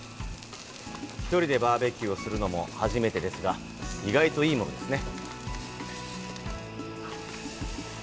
ひとりでバーベキューするのも初めてですが、意外といいものですね。